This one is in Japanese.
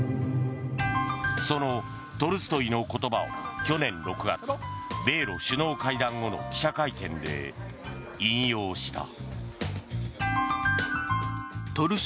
そのトルストイの言葉を去年６月米露首脳会談後の記者会見で引用した。